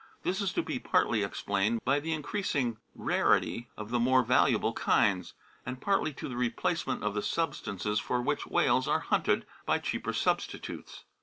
This is to be partly explained by the increasing rarity of the more valuable kinds, and partly to the replacement of the substances for which whales are hunted by cheaper substitutes.